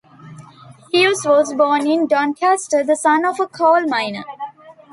Hughes was born in Doncaster, the son of a coal miner.